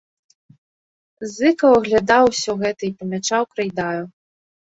Зыкаў аглядаў усё гэта і памячаў крэйдаю.